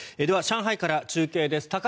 では上海から中継です。